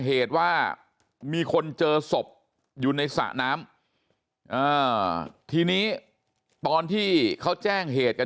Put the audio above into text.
เหตุว่ามีคนเจอศพอยู่ในสระน้ำทีนี้ตอนที่เขาแจ้งเหตุกัน